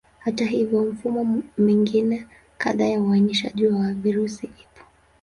Hata hivyo, mifumo mingine kadhaa ya uainishaji wa virusi ipo.